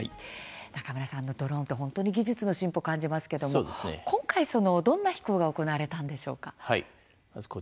中村さん、ドローンって本当に技術の進歩を感じますけれども今回、どのような飛行が行われたんでしょうか。